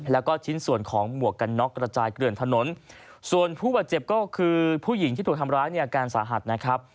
แล้วก็ชิ้นส่วนของหมวกกันน็อกกระจายเกลื่อนถนนส่วนผู้บาดเจ็บก็คือผู้หญิงที่ถูกทำร้ายเนี่ยอาการสาหัสนะครับ